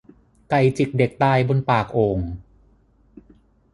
ไก่จิกเด็กตายบนปากโอ่ง